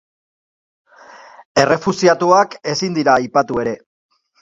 Errefuxiatuak ezin dira aipatu ere.